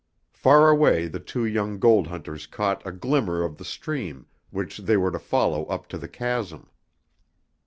Far away the two young gold hunters caught a glimmer of the stream which they were to follow up to the chasm.